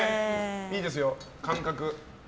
いいですよ、感覚。